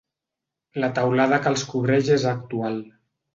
La teulada que els cobreix és actual.